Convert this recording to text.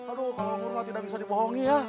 aduh kalau kurma tidak bisa dibohongi ya